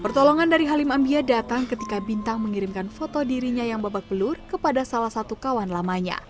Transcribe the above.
pertolongan dari halim ambia datang ketika bintang mengirimkan foto dirinya yang babak belur kepada salah satu kawan lamanya